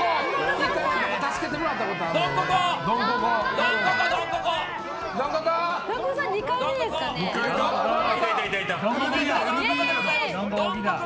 １回、助けてもらったことあるのよね。